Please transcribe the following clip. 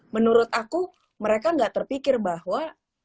menurut aku mereka nggak terpikir bahwa this is the end